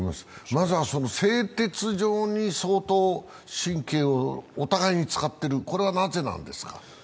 まずは製鉄所に相当、神経をお互いに使っている、これはなぜなんですか？